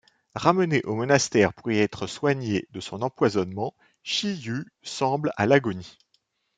Ramené au monastère pour y être soigné de son empoisonnement, Shiyu semble à l'agonie.